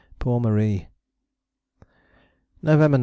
Poor Marie! _November 9.